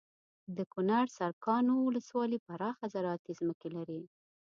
دکنړ سرکاڼو ولسوالي پراخه زراعتي ځمکې لري